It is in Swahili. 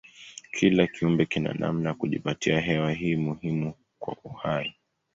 Kila kiumbe kina namna ya kujipatia hewa hii muhimu kwa uhai.